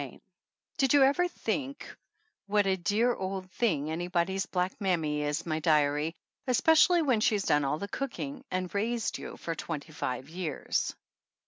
88 CHAPTER V DID you ever think what a dear old thing anybody's black mammy is, my diary, especially when she's done all the cooking (and raised you) for twenty five years?